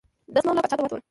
ده زه ملا پاچا ته واستولم.